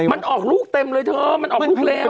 มันออกลูกเต็มเลยเธอมันออกลูกเร็ว